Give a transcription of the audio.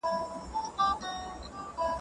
افغان لیکوالان د لوړو زده کړو پوره حق نه لري.